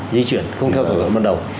di chuyển không theo thường ở ban đầu